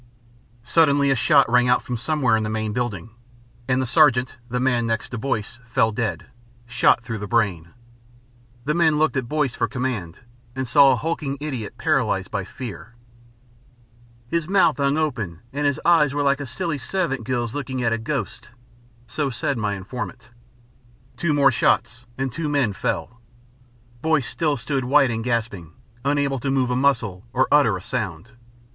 Suddenly a shot rang out from somewhere in the main building, and the Sergeant, the next man to Boyce, fell dead, shot through the brain. The men looked at Boyce for command and saw a hulking idiot paralysed by fear. "His mouth hung open and his eyes were like a silly servant girl's looking at a ghost." So said my informant. Two more shots and two men fell. Boyce still stood white and gasping, unable to move a muscle or utter a sound.